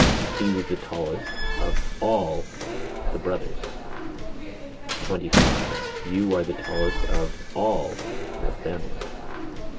He was the tallest of (all) the brothers. 25. You are the tallest of (all) your family.